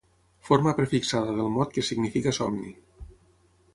Forma prefixada del mot que significa somni.